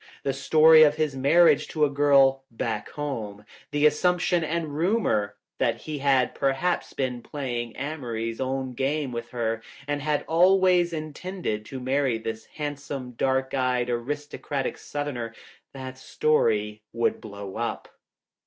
The story of his marriage to a girl "back home," the assumption and rumor that he had perhaps been playing Amory 's own game with her and had always intended .to marry this handsome, dark eyed, aristocratic southerner — that story would blow up.